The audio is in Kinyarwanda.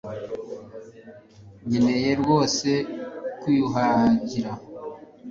Nkeneye rwose kwiyuhagira